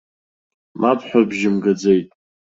Мап ҳәа бжьы мгаӡеит.